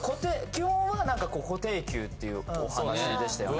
基本は固定給っていうお話でしたよね